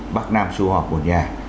bắc nam xu hòa của nhà